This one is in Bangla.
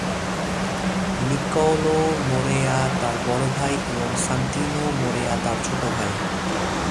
নিকোলো মোরেয়া তার বড় ভাই এবং সান্তিনো মোরেয়া তার ছোট ভাই।